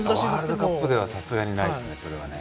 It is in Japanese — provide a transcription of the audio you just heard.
ワールドカップではさすがにないですね。